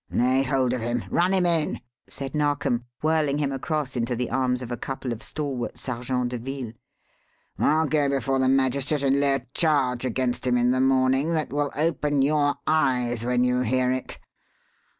"Lay hold of him run him in!" said Narkom, whirling him across into the arms of a couple of stalwart Sergeants de Ville. "I'll go before the magistrate and lay a charge against him in the morning that will open your eyes when you hear it.